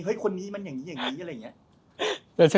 เฮ้ยคนนี้มันอย่างนี้อะไรอย่างนี้